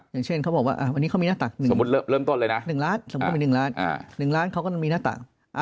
อย่างเช่นเขาบอกว่าวันนี้เขามีหน้าตัก๑ล้านเขาก็มีหน้าตัก